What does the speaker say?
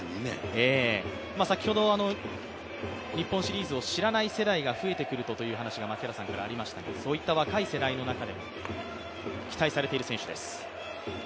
先ほど日本シリーズを知らない世代が増えてくるとという話が槇原さんからありましたが、そういった若い世代の中で期待されている選手です。